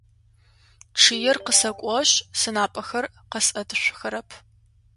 Чъыер къысэкӏугъэшъ сынапӏэхэр къэсӏэтышъухэрэп.